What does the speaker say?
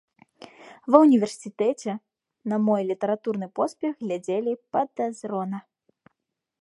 Ва ўніверсітэце на мой літаратурны поспех глядзелі падазрона.